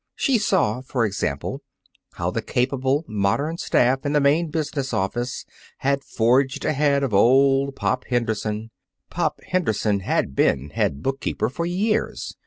She saw, for example, how the capable, modern staff in the main business office had forged ahead of old Pop Henderson. Pop Henderson had been head bookkeeper for years.